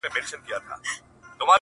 • هغه جنتي حوره ته انسانه دا توپیر دی..